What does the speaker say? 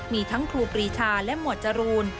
มีทั้งครูปรีชาและหมวดจรูน